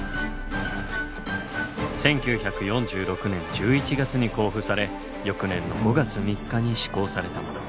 １９４６年１１月に公布され翌年の５月３日に施行されたもの。